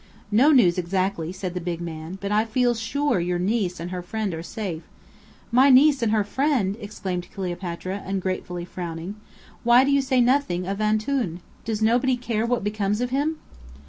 "No news exactly," said the big man, "but I feel sure your niece and her friend are safe " "My niece and her friend!" exclaimed Cleopatra, ungratefully frowning. "Why do you say nothing of 'Antoun?' Does nobody care what becomes of him?"